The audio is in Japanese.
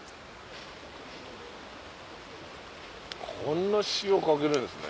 こんな塩かけるんですね。